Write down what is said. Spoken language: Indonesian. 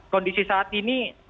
kondisi saat ini